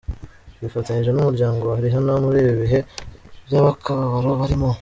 Twifatanyije n’umuryango wa Rihanna muri ibi bihe by’akababaro barimo !.